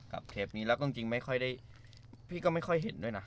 เคสนี้แล้วก็จริงไม่ค่อยได้พี่ก็ไม่ค่อยเห็นด้วยนะ